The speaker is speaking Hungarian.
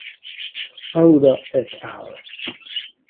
Auda et al.